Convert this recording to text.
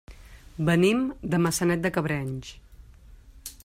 Venim de Maçanet de Cabrenys.